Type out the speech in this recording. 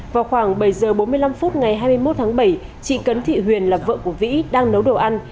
vào khoảng bảy giờ bốn mươi năm phút ngày hai mươi một tháng bảy chị cấn thị huyền là vợ của vĩ đang nấu đồ ăn